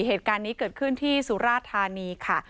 เหตุการณ์นี้เกิดขึ้นที่สุราธานีค่ะ